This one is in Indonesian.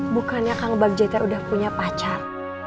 bukannya kang bagja udah punya pacar